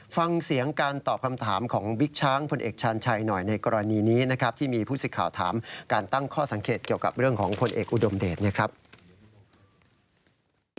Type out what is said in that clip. ฟังเสียงการตอบคำถามของบิ๊กช้างพลเอกชาญชัยหน่อยในกรณีนี้นะครับที่มีผู้สิทธิ์ข่าวถามการตั้งข้อสังเกตเกี่ยวกับเรื่องของพลเอกอุดมเดชนะครับ